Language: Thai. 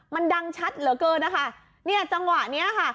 มันดังชัดเหลือเกินนะคะเนี่ยจังหวะเนี้ยค่ะ